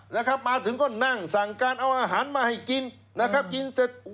นะครับมาถึงก็นั่งสั่งการเอาอาหารมาให้กินนะครับกินเสร็จ